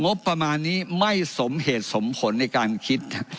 งบประมาณนี้ไม่สมเหตุสมผลในการคิด